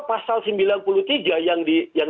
pasal sembilan puluh tiga yang